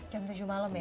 jam tujuh malam ya